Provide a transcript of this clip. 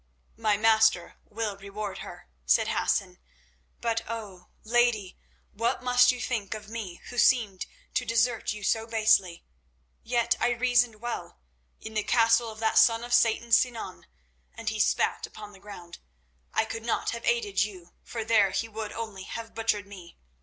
"My master will reward her," said Hassan. "But oh! lady, what must you think of me who seemed to desert you so basely? Yet I reasoned well. In the castle of that son of Satan, Sinan," and he spat upon the ground, "I could not have aided you, for there he would only have butchered me.